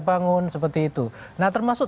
bangun seperti itu nah termasuk